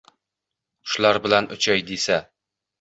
Qushlar bilan uchay desa